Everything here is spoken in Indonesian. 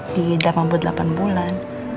di delapan puluh delapan bulan